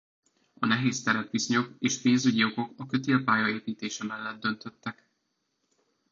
A nehéz terepviszonyok és pénzügyi okok a kötélpálya építése mellett döntöttek.